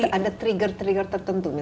atau ada trigger trigger tertentu misalnya